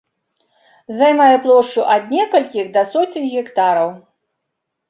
Займае плошчу ад некалькіх да соцень гектараў.